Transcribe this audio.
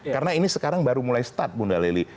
karena ini sekarang baru mulai start bunda leli